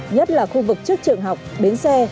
nhất là khu vực trước trường học đến xe